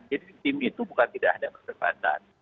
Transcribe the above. jadi tim itu bukan tidak ada kesempatan